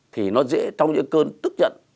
thì nó dễ trong những cơn tức nhận